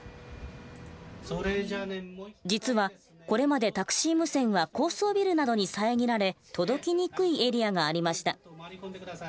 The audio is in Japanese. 実はこれまでタクシー無線は高層ビルなどに遮られ届きにくいエリアがありました。